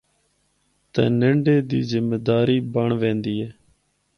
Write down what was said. تے ننڈے دی ذمہ داری بنڑ ویندی اے۔